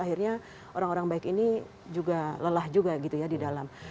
akhirnya orang orang baik ini juga lelah juga gitu ya di dalam